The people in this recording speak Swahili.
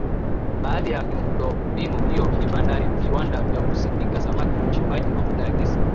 Baadhi ya miundombinu hiyo ni bandari viwanda vya kusindika samaki uchimbaji mafuta na gesi